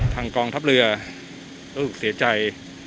กองทัพเรือรู้สึกเสียใจ